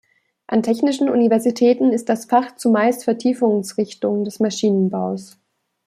An Technischen Universitäten ist das Fach zumeist Vertiefungsrichtung des Maschinenbaus.